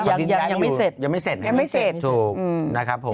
ยังไม่เสร็จถูกนะครับผม